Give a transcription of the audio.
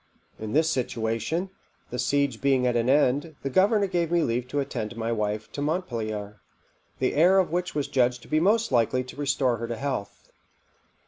In this situation, the siege being at an end, the governor gave me leave to attend my wife to Montpelier, the air of which was judged to be most likely to restore her to health.